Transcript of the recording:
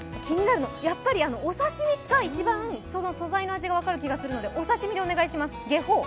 やっぱりお刺身が一番素材の味が分かる気がするので、お刺身でお願いします、ゲホウ。